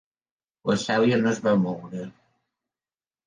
La Celia no es va moure.